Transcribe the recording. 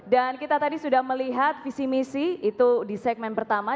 dan kita tadi sudah melihat visi misi itu di segmen pertama